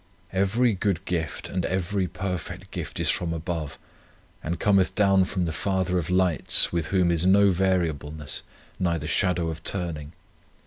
Every good gift and every perfect gift is from above, and cometh down from the Father of lights, with whom is no variableness, neither shadow of turning."